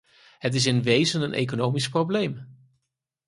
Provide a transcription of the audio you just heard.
Het is in wezen een economisch probleem.